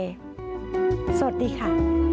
สวัสดีค่ะ